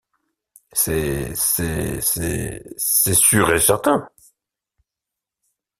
Cé, cé, c’es, c’est sûr et certain.